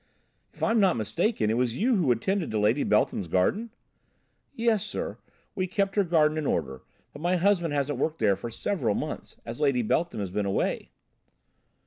"If I am not mistaken, it was you who attended to Lady Beltham's garden?" "Yes, sir, we kept her garden in order. But my husband hasn't worked there for several months, as Lady Beltham has been away."